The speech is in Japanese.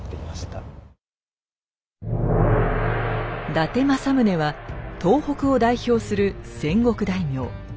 伊達政宗は東北を代表する戦国大名。